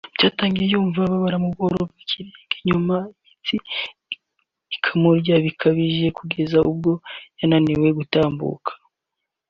Byatangiye yumva ababara mu bworo bw’ikirenge nyuma imitsi ikamurya bikabije kugeza ubwo yananiwe gutambuka